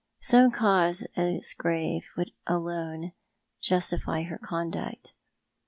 Some cause as grave would alone justify her conduct.